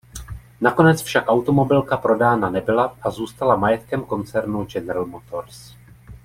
Nakonec však automobilka prodána nebyla a zůstala majetkem koncernu General Motors.